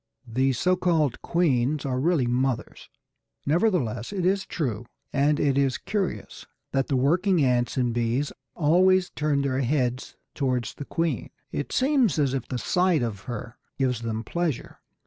The so called queens are really mothers. Nevertheless it is true, and it is curious, that the working ants and bees always turn their heads towards the queen. It seems as if the sight of her gives them pleasure.